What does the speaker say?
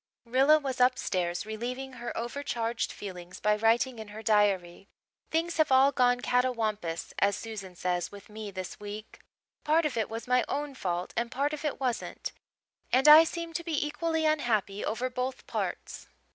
Rilla was upstairs relieving her over charged feelings by writing in her diary. "Things have all 'gone catawampus,' as Susan says, with me this week. Part of it was my own fault and part of it wasn't, and I seem to be equally unhappy over both parts.